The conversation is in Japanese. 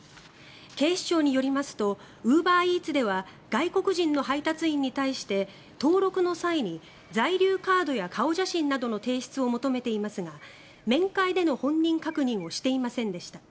警視庁によりますとウーバーイーツでは外国人の配達員に対して登録の際に在留カードや顔写真などの提出を求めていますが、面会での本人確認をしていませんでした。